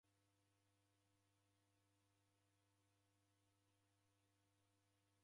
W'edekua waghenda